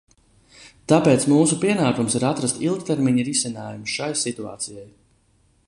Tāpēc mūsu pienākums ir atrast ilgtermiņa risinājumu šai situācijai.